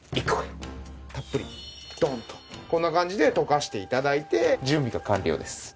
たっぷりドンとこんな感じで溶かして頂いて準備が完了です。